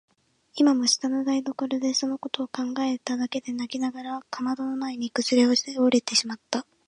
今も下の台所でそのことを考えただけで泣きながらかまどの前にくずおれてしまった。